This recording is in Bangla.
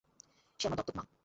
সে আমার দত্তক মা।